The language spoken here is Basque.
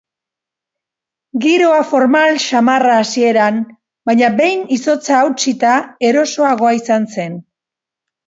Giroa formal xamarra hasiera, baina behin izotza hautsita erosoagoa izan zen.